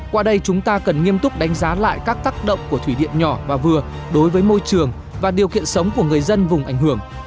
qua đây chúng ta cần nghiêm túc đánh giá lại các tác động của thủy điện nhỏ và vừa đối với môi trường và điều kiện sống của người dân vùng ảnh hưởng